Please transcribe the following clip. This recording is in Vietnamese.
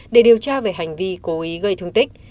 để điều tra về hành vi cố ý gây thương tích